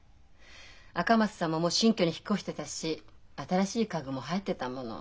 赤松さんももう新居に引っ越してたし新しい家具も入ってたもの。